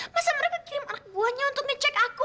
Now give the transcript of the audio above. masa mereka kirim anak buahnya untuk ngecek aku